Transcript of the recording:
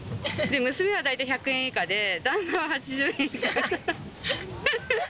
娘は大体１００円以下で、旦那は８０円以下。